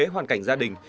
hoàn cảnh gia đình